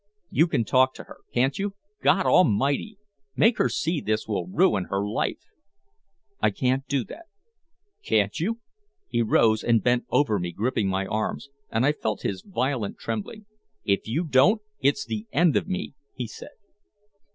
"You can talk to her, can't you? God Almighty! Make her see this will ruin her life!" "I can't do that." "Can't you?" He rose and bent over me gripping my arms, and I felt his violent trembling. "If you don't, it's the end of me," he said.